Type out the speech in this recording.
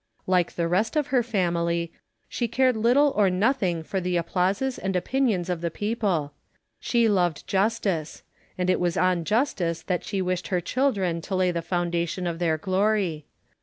Like the rest of her famil}'', she cared little or nothing for the applauses and opinions of the people : she loved justice ; and it was on justice that she wished her children to lay the foundation of their glory.